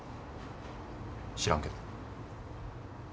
知らんけど。